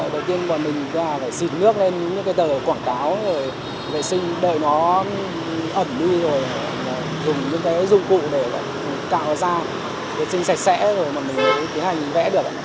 đầu tiên mình phải xịt nước lên những cái tờ quảng cáo để vệ sinh để nó ẩn đi rồi dùng những cái dụng cụ để tạo ra vệ sinh sạch sẽ rồi mình có thể vẽ được